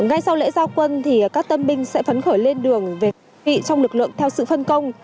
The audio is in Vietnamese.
ngay sau lễ giao quân thì các tân binh sẽ phấn khởi lên đường về phát triển trong lực lượng theo sự phân công